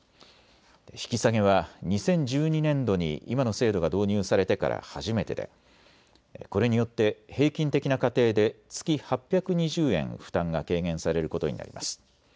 引き下げは２０１２年度に今の制度が導入されてから初めてでこれによって平均的な家庭で月８２０円負担が軽減されることになります。